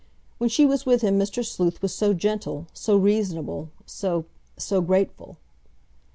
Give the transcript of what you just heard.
When she was with him Mr. Sleuth was so gentle, so reasonable, so—so grateful.